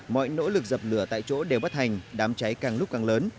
mọi nỗ lực dập lửa tại chỗ đều bắt hành đám cháy càng lúc càng lớn